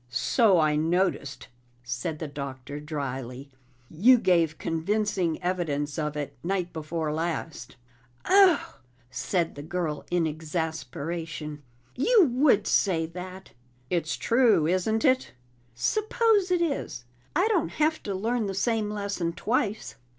"So I noticed," said the Doctor dryly. "You gave convincing evidence of it night before last." "Oh!" said the girl in exasperation. "You would say that!" "It's true, isn't it?" "Suppose it is! I don't have to learn the same lesson twice."